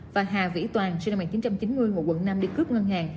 và hà vĩ toàn sinh năm một nghìn chín trăm chín mươi ngụ quận năm đi cướp ngân hàng